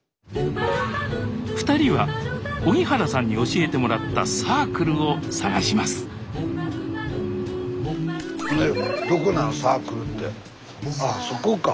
２人は荻原さんに教えてもらった「サークル」を探しますあそこか。